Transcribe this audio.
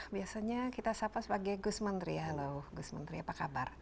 biasanya kita sapa sebagai gus menteri halo gus menteri apa kabar